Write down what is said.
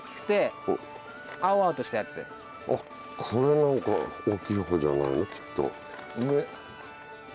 これなんか大きい方じゃないのきっと。